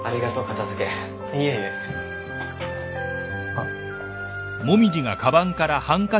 あっ。